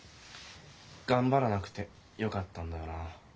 頑張らなくてよかったんだよな。